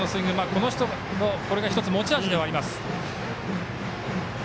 この人の、これは１つ持ち味ではあります。